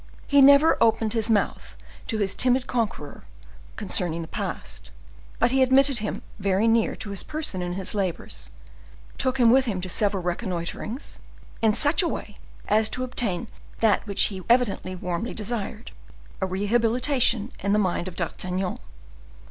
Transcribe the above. He never opened his mouth to his timid conqueror concerning the past; but he admitted him very near to his person in his labors, took him with him to several reconnoiterings, in such a way as to obtain that which he evidently warmly desired,—a rehabilitation in the mind of D'Artagnan.